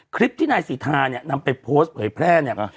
คลิปที่นายสิทธาเนี่ยนำไปโพสต์เผยแพร่เนี่ย